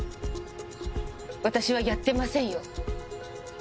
私はやってませんよ。